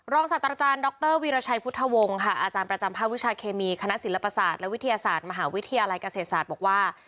ศาสตราจารย์ดรวีรชัยพุทธวงศ์ค่ะอาจารย์ประจำภาควิชาเคมีคณะศิลปศาสตร์และวิทยาศาสตร์มหาวิทยาลัยเกษตรศาสตร์บอกว่า